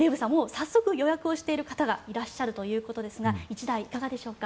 早速、予約している方がいらっしゃるということですが１台いかがでしょうか？